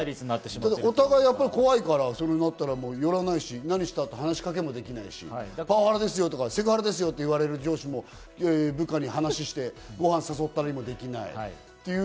お互い怖いから、そうなったら寄らないし、何したって話しかけもできないし、パワハラですよ、セクハラですよと言われる上司も部下に話して、ごはん誘ったりもできない。